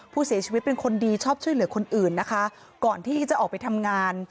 ผู้เสียชีวิตเป็นคนดีชอบช่วยเหลือคนอื่นนะคะก่อนที่จะออกไปทำงาน